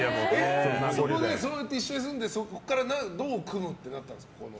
そこで、一緒に住んでそこからどう組むってなったんですか？